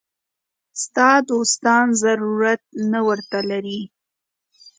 ستا دوستان ضرورت نه ورته لري.